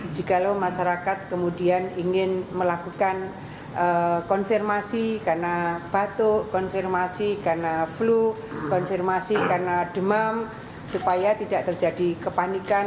jikalau masyarakat kemudian ingin melakukan konfirmasi karena batuk konfirmasi karena flu konfirmasi karena demam supaya tidak terjadi kepanikan